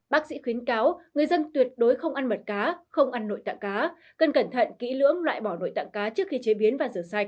bác sĩ khuyến cáo người dân tuyệt đối không ăn mật cá không ăn nội tạng cá cần cẩn thận kỹ lưỡng loại bỏ nội tạng cá trước khi chế biến và rửa sạch